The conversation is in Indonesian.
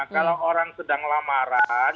kalau orang sedang lamaran